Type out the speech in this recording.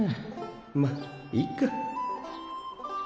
まっいっか。